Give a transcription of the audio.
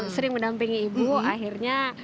sering menampingi ibu akhirnya